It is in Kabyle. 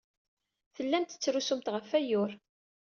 Tellamt tettrusumt ɣef wayyur.